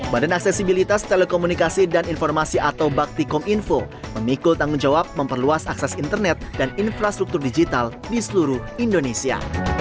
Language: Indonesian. badan aksesibilitas telekomunikasi dan informasi atau bakti kominfo memikul tanggung jawab memperluas akses internet dan infrastruktur digital di seluruh indonesia